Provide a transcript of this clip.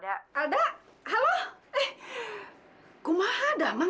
tidak bisa kehidupan